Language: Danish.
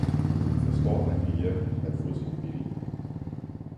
hun forstår at lirke, at få sin vilje.